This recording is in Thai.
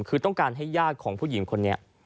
คือต้องการให้ญาติของผู้หญิงคนนี้